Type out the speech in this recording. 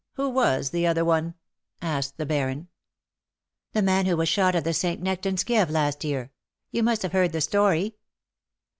Who was the other one ?'* asked the Baron. " The man who was shot at St. Nectan^s Kieve last year. You must have heard the story."